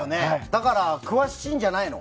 だから詳しいんじゃないの？